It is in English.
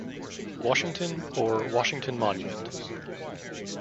Washington" or "Washington Monument".